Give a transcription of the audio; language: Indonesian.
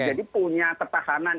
jadi punya ketahanan